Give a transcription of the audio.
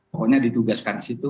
pokoknya ditugaskan di situ